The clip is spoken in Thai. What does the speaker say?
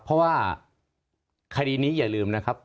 เพราะว่าคดีนี้อย่าลืมนะครับ